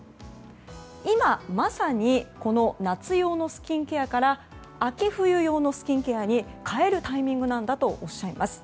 今、まさにこの夏用のスキンケアから秋冬用のスキンケアに変えるタイミングなんだとおっしゃいます。